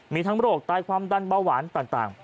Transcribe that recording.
มีทั้งโรคตายความดันเบาหวานต่าง